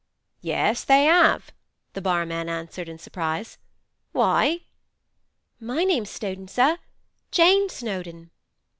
'Yes, they have,' the barman answered, in surprise. 'Why?' My name's Snowdon, sir—Jane Snowdon.